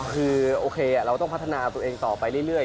คือโอเคเราต้องพัฒนาตัวเองต่อไปเรื่อย